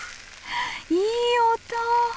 いい音！